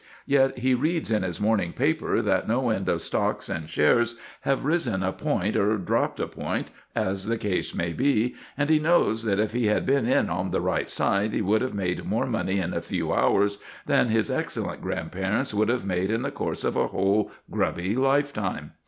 Yet he reads in his morning paper that no end of stocks and shares have risen a point or dropped a point, as the case may be, and he knows that if he had been in on the right side he would have made more money in a few hours than his excellent grandparents could have made in the course of a whole grubby lifetime.